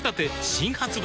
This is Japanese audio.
新発売